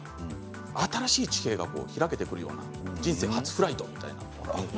新しい地平が開けてくるような人生初フライトみたいな。